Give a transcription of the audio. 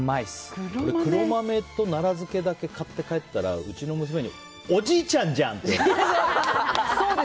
黒豆と奈良漬けだけ買って帰ったらうちの娘におじいちゃんじゃんって。